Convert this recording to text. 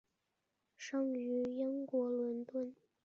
生于英国伦敦。